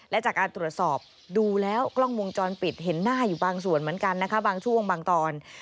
และจากการตรวจสอบดูแล้วกล้องวงจรปิดเห็นหน้าอยู่บางส่วนเหมือนกันนะคะบางช่วงบางตอน